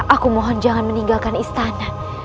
aku mohon jangan meninggalkan istana